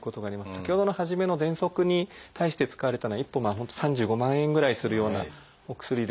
先ほどの初めのぜんそくに対して使われたのは１本３５万円ぐらいするようなお薬で。